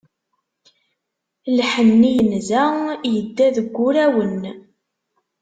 Lḥenni yenza, yedda deg wurawen.